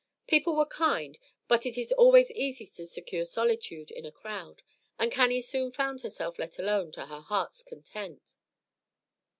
People were kind; but it is always easy to secure solitude in a crowd, and Cannie soon found herself let alone to her heart's content.